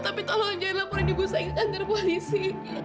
tapi tolong jangan laporin ibu saya ke kantor polisi